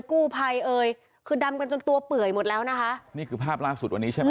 กู้ภัยเอ่ยคือดำกันจนตัวเปื่อยหมดแล้วนะคะนี่คือภาพล่าสุดวันนี้ใช่ไหม